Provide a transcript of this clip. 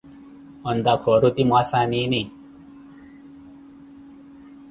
Ontakha oruti mwaasa wa niini?